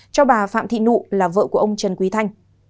cho bà phạm thị nụ là vợ của ông trần quý thanh